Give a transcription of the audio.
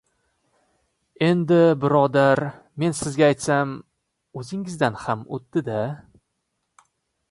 — Endi, birodar, men sizga aytsam, o‘zingizdan ham o‘tdi-da.